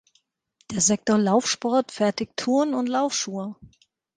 Der Sektor Laufsport fertigt Turn- und Laufschuhe.